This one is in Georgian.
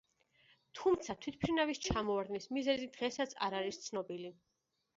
თუმცა თვითმფრინავის ჩამოვარდნის მიზეზი დღესაც არ არის ცნობილი.